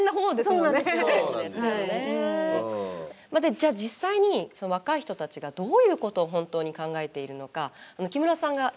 じゃあ実際に若い人たちがどういうことを本当に考えているのか木村さんが取材に行ったんですよね。